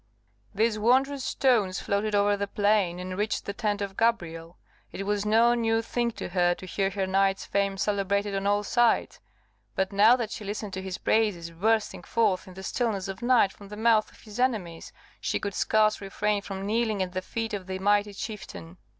These wondrous tones floated over the plain, and reached the tent of Gabrielle. It was no new thing to her to hear her knight's fame celebrated on all sides; but now that she listened to his praises bursting forth in the stillness of night from the mouth of his enemies, she could scarce refrain from kneeling at the feet of the mighty chieftain.